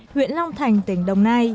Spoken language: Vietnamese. huyện long văn thưởng